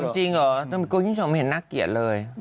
จริงหรอไม่เห็นหน้าเกียรติเลย